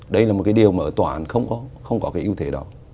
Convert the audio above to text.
đây là một điều mà tòa án không có yếu thế đó